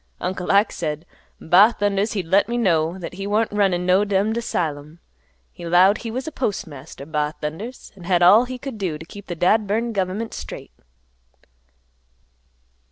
Uncle Ike said 'Ba thundas!' he'd let me know that he warn't runnin' no dummed asylum. He 'lowed he was postmaster, 'Ba thundas!' an' had all he could do t' keep th' dad burned gov'ment straight."